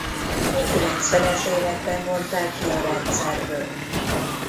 A kilencvenes években vonták ki a rendszerből.